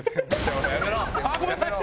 ああごめんなさい！